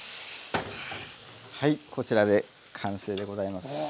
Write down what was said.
はいこちらで完成でございます。